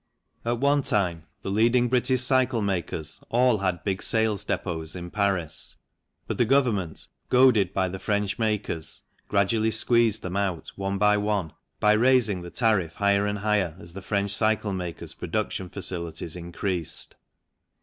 At one time the leading British cycle makers all had big sales depots in Paris, but the Government, goaded by the French makers, gradually squeezed them out one by one by raising the tariff higher and higher as the French cycle makers' production facilities increased.